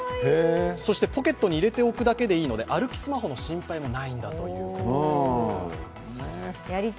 ポケットに入れておけばいいので歩きスマホの心配もないんだということです。